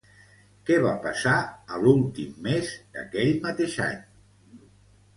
Què va passar a l'últim mes d'aquell mateix any?